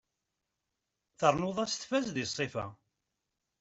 Ternuḍ-as tfaz deg ssifa.